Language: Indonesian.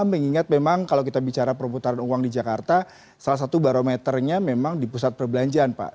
mengingat memang kalau kita bicara perputaran uang di jakarta salah satu barometernya memang di pusat perbelanjaan pak